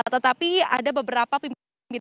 tetapi ada beberapa pimpinan